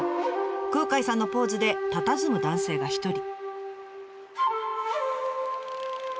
空海さんのポーズでたたずむ男性が一人。